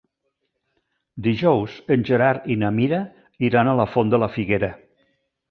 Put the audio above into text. Dijous en Gerard i na Mira iran a la Font de la Figuera.